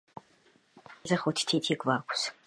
ჩვენ თითო ხელზე ხუთი თითი გვაქვს